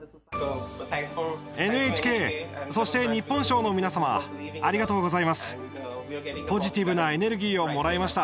ＮＨＫそして日本賞の皆様ありがとうございます。